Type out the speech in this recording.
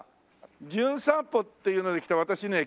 『じゅん散歩』っていうので来た私ね